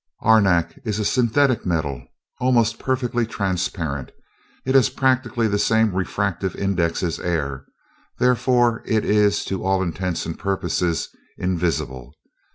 "Arenak is a synthetic metal, almost perfectly transparent. It has practically the same refractive index as air, therefore it is, to all intents and purposes, invisible.